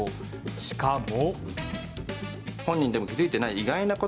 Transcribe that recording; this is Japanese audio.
しかも。